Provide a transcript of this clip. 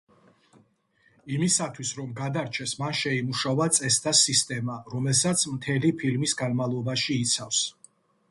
იმისათვის, რომ გადარჩეს მან შეიმუშავა წესთა სისტემა რომელსაც მთელი ფილმის განმავლობაში იცავს.